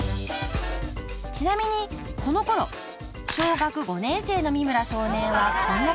［ちなみにこのころ小学５年生の三村少年はこんな感じ］